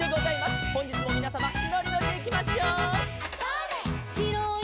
「ほんじつもみなさまのりのりでいきましょう」